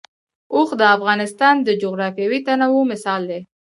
اوښ د افغانستان د جغرافیوي تنوع مثال دی.